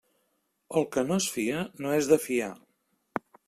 El que no es fia, no és de fiar.